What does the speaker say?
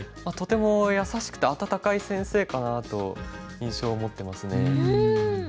とても優しくて温かい先生かなと印象を持ってますね。